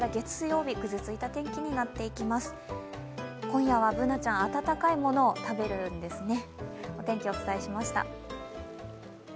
今夜はＢｏｏｎａちゃん温かいものを食べるんですね。